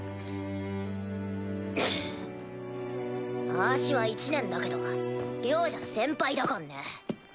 あしは１年だけど寮じゃ先輩だかんね。